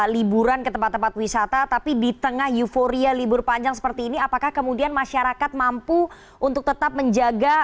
liburan ke tempat tempat wisata tapi di tengah euforia libur panjang seperti ini apakah kemudian masyarakat mampu untuk tetap menjaga